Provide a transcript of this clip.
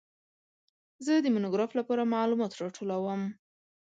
زه د مونوګراف لپاره معلومات راټولوم.